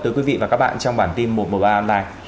tới quý vị và các bạn trong bản tin một ba online